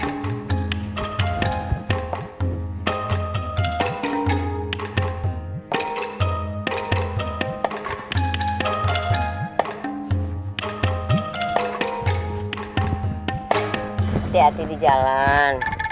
hati hati di jalan